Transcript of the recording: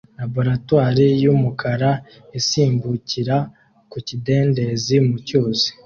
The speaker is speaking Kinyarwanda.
Laboratoire y'umukara isimbukira ku kidendezi mu cyuzi